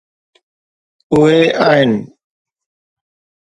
اهي آهن.